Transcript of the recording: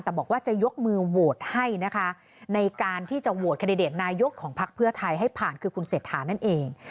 แต่บอกว่าจะยกมือโหวตให้นะคะในการที่จะโหวตแคนดิเดตนายกของพักเพื่อไทยให้ผ่านคือคุณเศรษฐานั่นเอง